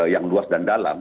yang luas dan dalam